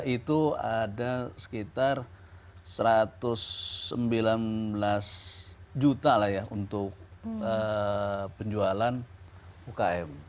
itu ada sekitar satu ratus sembilan belas juta lah ya untuk penjualan ukm